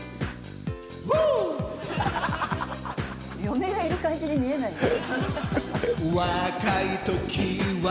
嫁がいる感じに見えないね。